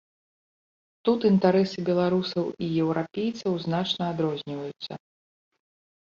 Тут інтарэсы беларусаў і еўрапейцаў значна адрозніваюцца.